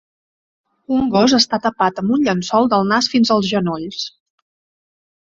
Un gos està tapat amb un llençol del nas fins als genolls.